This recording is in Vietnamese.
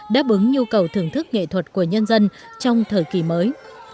đáp ứng nhu cầu thưởng thức nghệ thuật của nhân dân trong thời kỳ mới